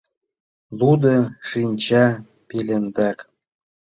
Лудо шинча пелендак